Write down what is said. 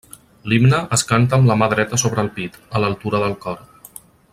L'himne es canta amb la mà dreta sobre el pit, a l'altura del cor.